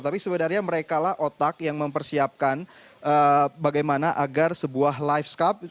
tapi sebenarnya mereka lah otak yang mempersiapkan bagaimana agar sebuah live skate